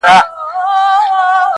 o چي نه ځني خلاصېږې، په بړ بړ پر ورځه!